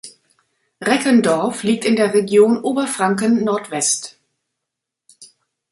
Reckendorf liegt in der Region Oberfranken-Nord-West.